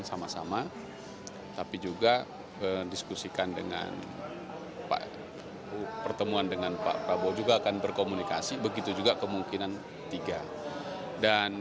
kemungkinan ketiga perjanjian yang akan diperkirakan adalah diperkirakan oleh pak prabowo